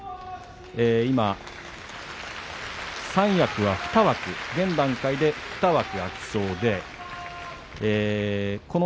今、三役は２枠現段階で空きそうです。